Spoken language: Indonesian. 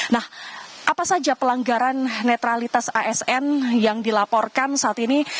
nah apa saja pelanggaran netralitas asn yang dilaporkan saat ini